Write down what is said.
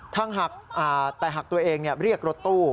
แต่หักตัวเองเรียกรถตู้